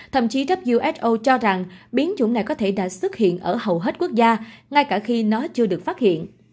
thậm chí who cho rằng biến chủng này có thể đã xuất hiện ở hầu hết quốc gia ngay cả khi nó chưa được phát hiện